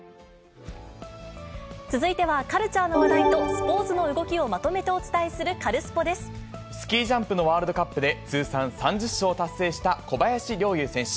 続いては、カルチャーの話題とスポーツの動きをまとめてお伝えするカルスポスキージャンプのワールドカップで、通算３０勝を達成した小林陵侑選手。